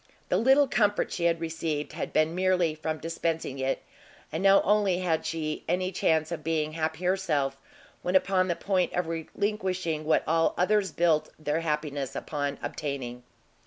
the little comfort she had received, had been merely from dispensing it, and now only had she any chance of being happy herself, when upon the point of relinquishing what all others built their happiness upon obtaining!